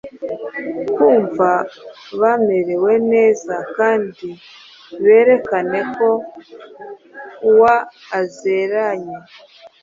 kumva bamerewe neza kandi berekane ko waezeranye